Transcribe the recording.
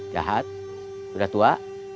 jahat udah tua